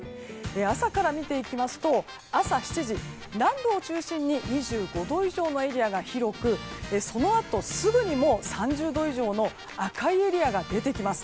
朝から見ていきますと朝７時南部を中心に２５度以上のエリアが広くそのあとすぐに３０度以上の赤いエリアが出てきます。